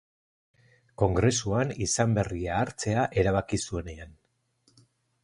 Kongresuan izen berria hartzea erabaki zuenean.